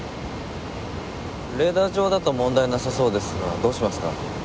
レーダー上だと問題なさそうですがどうしますか？